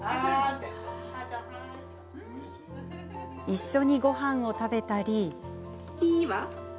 一緒にごはんを食べたり。